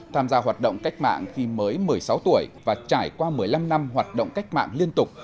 tham gia hoạt động cách mạng khi mới một mươi sáu tuổi và trải qua một mươi năm năm hoạt động cách mạng liên tục